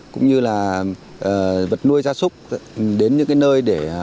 cũng như là vật nuôi gia súc đến những nơi